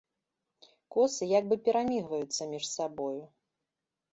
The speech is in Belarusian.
Косы як бы перамігваюцца між сабою.